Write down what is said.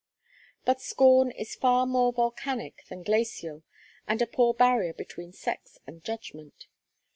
But scorn is far more volcanic than glacial and a poor barrier between sex and judgment.